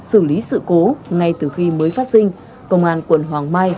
xử lý sự cố ngay từ khi mới phát sinh công an quận hoàng mai